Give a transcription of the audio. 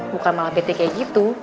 bukan malah pt kayak gitu